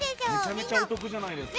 めちゃめちゃお得じゃないですか。